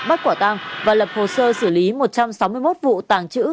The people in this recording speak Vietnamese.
bắt quả tang và lập hồ sơ xử lý một trăm sáu mươi một vụ tàng trữ